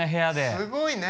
すごいね。